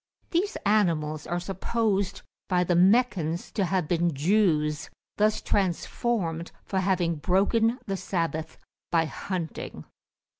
These animals are supposed by the Meccans to have been Jews, thus transformed for having broken the Sabbath by hunting.